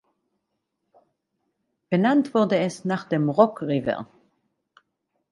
Benannt wurde es nach dem Rock River.